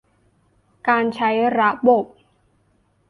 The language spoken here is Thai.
การใช้ระบบ